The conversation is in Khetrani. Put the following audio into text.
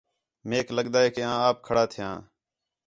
میک لڳدا ہِے کہ آں آپ کھڑا تِھیاں